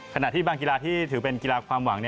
ขณะที่บางกีฬาที่ถือเป็นกีฬาความหวัง